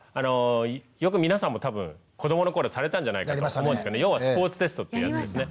よく皆さんも多分子どもの頃されたんじゃないかと思うんですけど要はスポーツテストってやつですね。